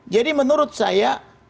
jadi menurut saya